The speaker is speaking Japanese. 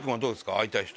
会いたい人。